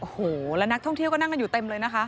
โอ้โหแล้วนักท่องเที่ยวก็นั่งกันอยู่เต็มเลยนะคะ